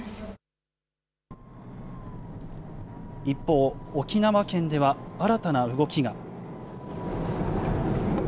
一方、沖縄県では新たな動きが。